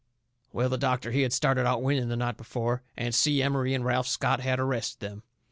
Well, the doctor, he had started out winning the night before. And Si Emery and Ralph Scott had arrested them.